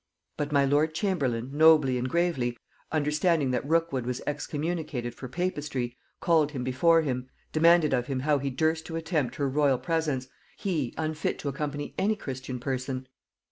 But my lord chamberlain, nobly and gravely, understanding that Rookwood was excommunicated for papistry, called him before him; demanded of him how he durst to attempt her royal presence, he, unfit to accompany any Christian person?